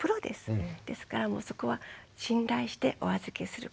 ですからもうそこは信頼してお預けすること。